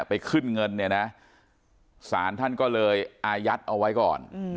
ไปขึ้นเงินเนี่ยนะศาลท่านก็เลยอายัดเอาไว้ก่อน